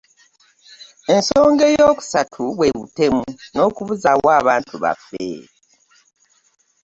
Ensonga eyookusatu bwe butemu n'okubuzaawo abantu baffe